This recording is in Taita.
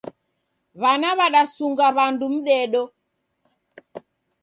W'ana w'adasunga w'andu mdedo